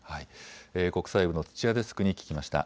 国際部の土屋デスクに聞きました。